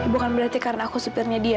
bukan berarti karena aku supirnya dia